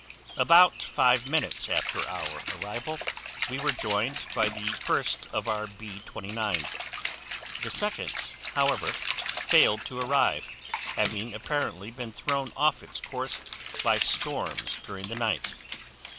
"About five minutes after our arrival, we were joined by the first of our B 29's. The second, however, failed to arrive, having apparently been thrown off its course by storms during the night.